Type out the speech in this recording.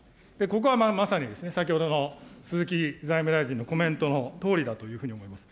ここはまさにですね、先ほどの鈴木財務大臣のコメントのとおりだというふうに思います。